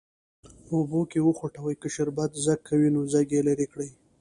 په اوبو کې وخوټوئ که شربت ځګ کوي نو ځګ یې لرې کړئ.